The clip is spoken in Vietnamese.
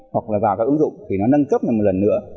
hoặc là vào các ứng dụng thì nó nâng cấp lại một lần nữa